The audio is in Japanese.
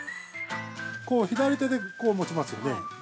◆左手でこう持ちますよね。